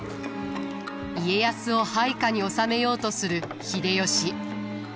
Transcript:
家康を配下に収めようとする秀吉。